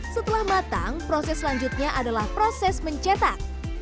setelah matang proses selanjutnya adalah proses mencetak